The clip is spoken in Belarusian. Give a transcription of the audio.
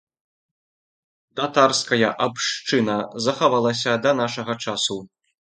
Татарская абшчына захавалася да нашага часу.